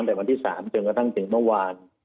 แต่วันที่๓จนกระทั่งถึงเมื่อวาน